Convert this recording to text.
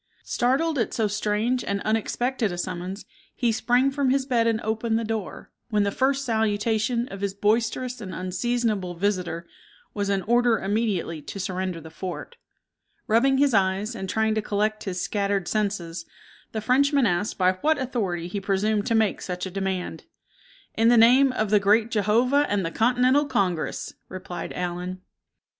Startled at so strange and unexpected a summons, he sprang from his bed and opened the door, when the first salutation of his boisterous and unseasonable visitor was an order immediately to surrender the fort. Rubbing his eyes, and trying to collect his scattered senses, the Frenchman asked by what authority he presumed to make such a demand. "In the name of the Great Jehovah and the Continental Congress!" replied Allen.